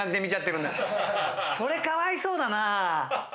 それかわいそうだな。